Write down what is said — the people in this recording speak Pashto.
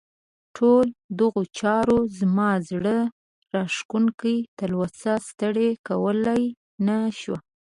ټولو دغو چارو زما زړه راښکونکې تلوسه ستړې کولای نه شوه.